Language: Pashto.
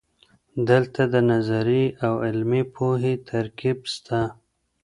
دلته د نظري او عملي پوهې ترکیب سته.